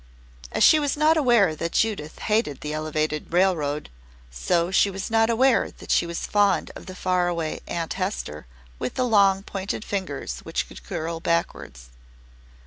As she was not aware that Judith hated the Elevated Railroad, so she was not aware that she was fond of the far away Aunt Hester with the long pointed fingers which could curl backwards.